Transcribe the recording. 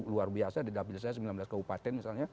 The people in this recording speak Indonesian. luar biasa di dapil saya sembilan belas kabupaten misalnya